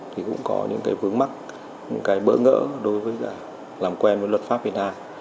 thì cũng có những vướng mắt những bỡ ngỡ đối với làm quen với luật pháp việt nam